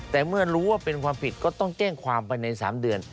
แต่เมื่อรู้ว่าเป็นความผิดก็ต้องแจ้งความไปใน๓เดือน